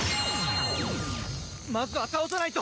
まずは倒さないと！